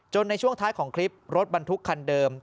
ในช่วงท้ายของคลิปรถบรรทุกคันเดิม